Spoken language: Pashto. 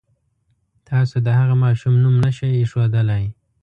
تاسو د هغه ماشوم نوم نه شئ اېښودلی.